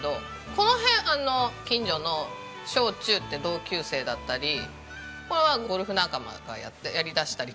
この辺近所の小中って同級生だったりこれはゴルフ仲間がやりだしたりとか。